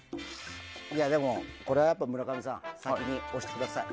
でも、これは村上さん先に押してください。